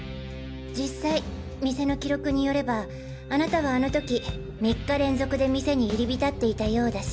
実際店の記録によればあなたはあの時３日連続で店に入り浸っていたようだし。